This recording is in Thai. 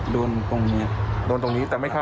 โดนตรงนี้โดนตรงนี้แต่ไม่เข้า